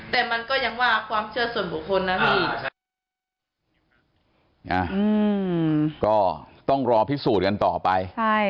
แต่มันก็ยังว่าความเชื่อส่วนบุคคลนะพี่